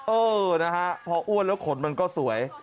เออนะฮะพออ้วนแล้วขนมันก็สวย